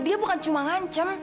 dia bukan cuma ngancem